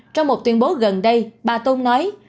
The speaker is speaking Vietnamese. trong một tuyên bố gần đây bà tôn nói